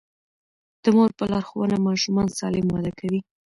د مور په لارښوونه ماشومان سالم وده کوي.